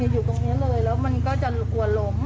อยู่ตรงนี้เลยแล้วมันก็จะกลัวล้ม